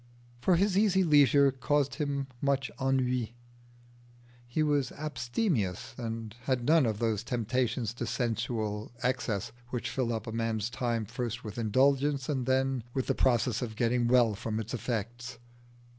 For his easy leisure caused him much ennui. He was abstemious, and had none of those temptations to sensual excess which fill up a man's time first with indulgence and then with the process of getting well from its effects.